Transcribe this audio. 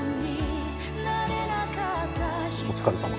お疲れさま。